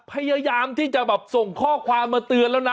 พยายามที่จะแบบส่งข้อความมาเตือนแล้วนะ